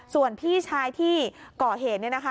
ส่วนพี่ชายที่เกาะเหตุ